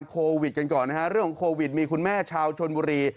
โควิดกันก่อนนะฮะเรื่องของโควิดมีคุณแม่ชาวชนบุรี